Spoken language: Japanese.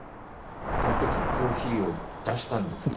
その時コーヒーを出したんですかね？